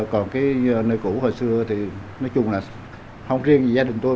còn cái nơi cũ hồi xưa thì nói chung là không riêng gì gia đình tôi